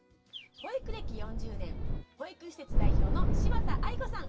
保育暦４０年保育施設代表の柴田愛子さん。